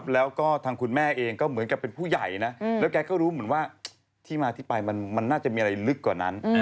แล้วก็ทางคุณแม่เองก็เหมือนกับเป็นผู้ใหญ่นะแล้วแกก็รู้เหมือนว่าที่มาที่ไปมันน่าจะมีอะไรลึกกว่านั้น